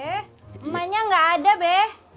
emanya gak ada be